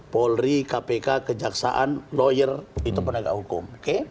polri kpk kejaksaan lawyer itu penegak hukum